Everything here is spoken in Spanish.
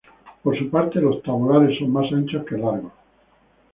Por su parte, los tabulares son más anchos que largos.